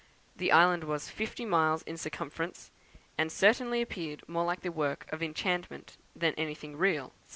The Island was fifty miles in circumference, and certainly appeared more like the work of enchantment than anything real," &c.